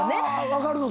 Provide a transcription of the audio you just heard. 分かるの？